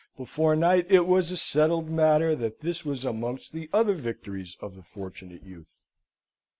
Before night it was a settled matter that this was amongst the other victories of the Fortunate Youth.